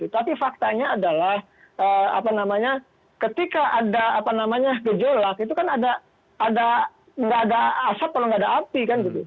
tapi faktanya adalah ketika ada gejolak itu kan tidak ada asap kalau tidak ada api